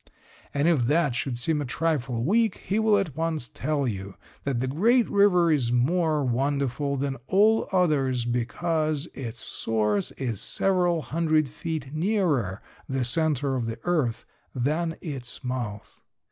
And if that should seem a trifle weak he will at once tell you that the great river is more wonderful than all others because its source is several hundred feet nearer the center of the earth than its mouth.